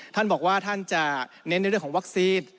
ท่านบอกว่าท่านจะเน้นในเรื่องของวัคซีน